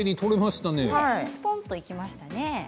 すぽんといきましたね。